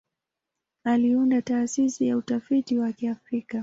Aliunda Taasisi ya Utafiti wa Kiafrika.